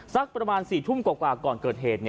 สักประมาณ๔ทุ่มกว่าก่อนเกิดเหตุ